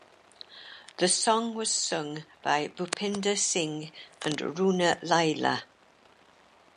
The song was sung by Bhupinder Singh and Runa Laila.